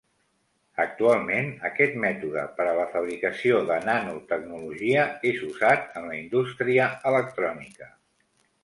Actualment aquest mètode per a la fabricació de nanotecnologia és usat en la indústria electrònica.